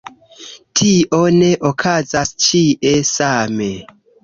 Tio ne okazas ĉie same.